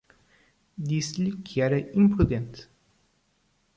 disse-lhe que era imprudente